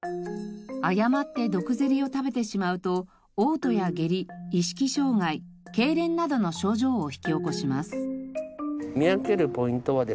誤ってドクゼリを食べてしまうと嘔吐や下痢意識障害けいれんなどの症状を引き起こします。